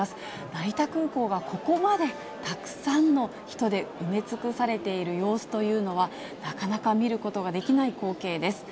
成田空港がここまでたくさんの人で埋め尽くされている様子というのは、なかなか見ることができない光景です。